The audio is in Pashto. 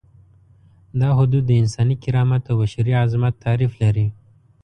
دا حدود د انساني کرامت او بشري عظمت تعریف لري.